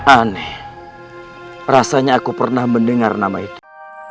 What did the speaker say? aneh rasanya aku pernah mendengar nama itu